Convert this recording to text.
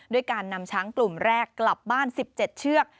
ด้วยการนำช้างกลุ่มแรกกลับบ้าน๑๗เชือก